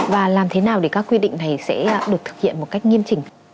và làm thế nào để các quy định này sẽ được thực hiện một cách nghiêm trình